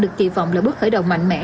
được kỳ vọng là bước khởi đầu mạnh mẽ